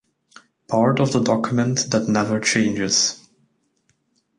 Part of the document that never changes.